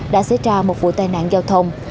đã xảy ra một vụ tai nạn giao thông